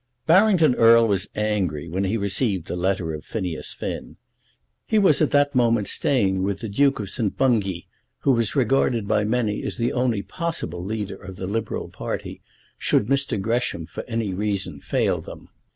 Barrington Erle was angry when he received the letter of Phineas Finn. He was at that moment staying with the Duke of St. Bungay, who was regarded by many as the only possible leader of the Liberal party, should Mr. Gresham for any reason fail them.